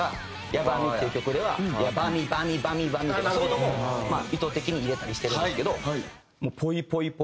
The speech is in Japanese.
『ヤバみ』っていう曲では「ヤバみバみバみバみ」とかそういうのもまあ意図的に入れたりしてるんですけど。